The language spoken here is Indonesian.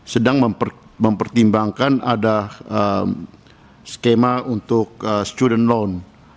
sedang mempertimbangkan ada skema untuk student loan